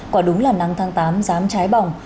quả đúng là nắng tháng tám dám trái bỏng